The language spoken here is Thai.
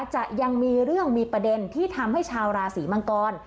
จะยังมีเรื่องมีประเด็นที่ทำให้ชาวราศีมังกร